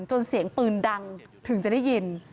เสียงปืนดังถึงจะได้ยิน